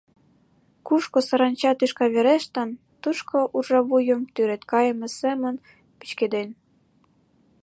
Кушко саранча тӱшка верештын, тушто уржавуйым тӱред кайыме семын пӱчкеден.